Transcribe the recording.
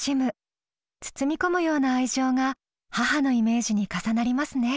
包み込むような愛情が母のイメージに重なりますね。